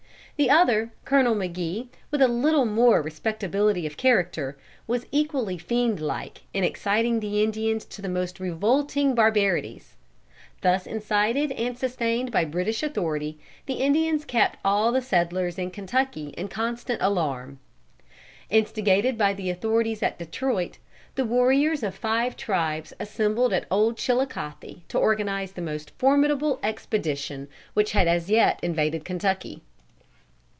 The other, Colonel McGee, with a little more respectability of character, was equally fiendlike in exciting the Indians to the most revolting barbarities. Thus incited and sustained by British authority, the Indians kept all the settlers in Kentucky in constant alarm. Instigated by the authorities at Detroit, the warriors of five tribes assembled at Old Chilicothe to organize the most formidable expedition which had as yet invaded Kentucky.